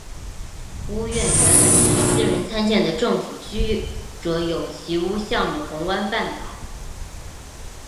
屋苑原本是私人参建的政府居者有其屋项目红湾半岛。